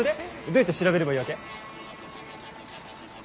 どうやって調べればいいわけ？